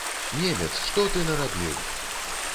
Немец, што ты нарабіў!